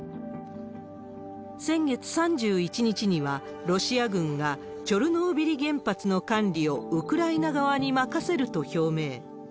先月３１日には、ロシア軍がチョルノービリ原発の管理をウクライナ側に任せると表明。